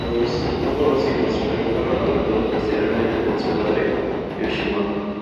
Tuvo dos hijos, pero fueron adoptados posteriormente por su padre Yoshimoto.